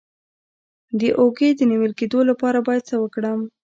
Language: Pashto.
د اوږې د نیول کیدو لپاره باید څه وکړم؟